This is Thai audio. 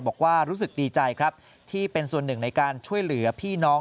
บอกว่ารู้สึกดีใจครับที่เป็นส่วนหนึ่งในการช่วยเหลือพี่น้อง